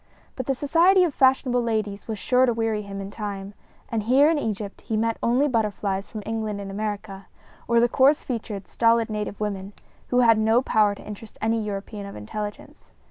But the society of fashionable ladies was sure to weary him in time, and here in Egypt he met only butterflies from England and America, or the coarse featured, stolid native women, who had no power to interest any European of intelligence.